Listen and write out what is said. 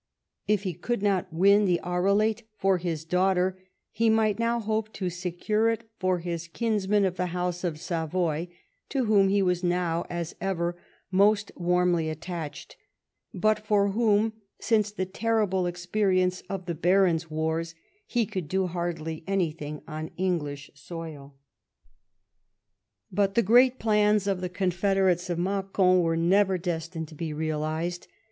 If he could not win the Arelate for his daughter, he might now hope to secure it for his kinsmen of the house of Savoy, to whom he was now, as ever, most warmly attached, but for whom, since the terrible experience of the Barons' Wars, he could do hardly anything on English soil. But the great plans of the confederates of Macon were never destined to be realised.